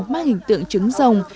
mang hình tượng trứng rồng